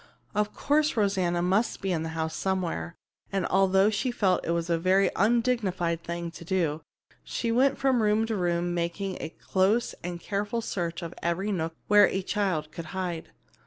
Of course Rosanna must be in the house somewhere, and although she felt it was a very undignified thing to do, she went from room to room making a close and careful search of every nook where a child could hide.